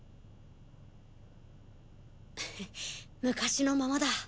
昔のままだ。